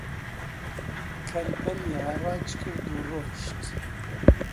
کەل-پەلی هەڕاج کرد و ڕۆیشت